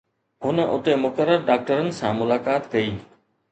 هن اتي مقرر ڊاڪٽرن سان ملاقات ڪئي